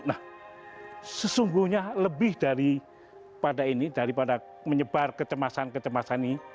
nah sesungguhnya lebih daripada ini daripada menyebar kecemasan kecemasan ini